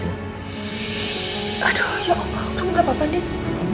aduh ya allah kamu gapapa nih